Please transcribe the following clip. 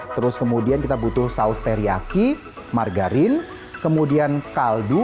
terus kemudian kita butuh saus teriyaki margarin kemudian kaldu